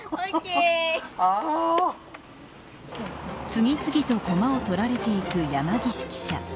次々と駒を取られていく山岸記者。